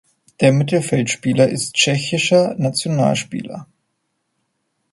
Der Mittelfeldspieler ist tschechischer Nationalspieler.